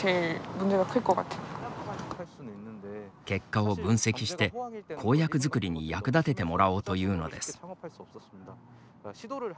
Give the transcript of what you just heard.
結果を分析して、公約づくりに役立ててもらおうというのです。